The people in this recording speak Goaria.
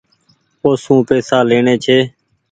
اوسون پئيسا ليڻي ڇي۔